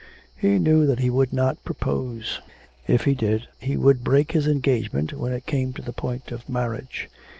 He knew that he would not propose. If he did he would break his engagement when it came to the point of marriage.